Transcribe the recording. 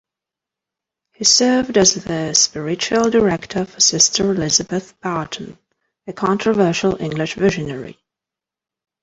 He served as the spiritual director for Sister Elizabeth Barton, a controversial English visionary.